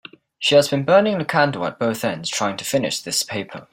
She has been burning the candle at both ends trying to finish this paper.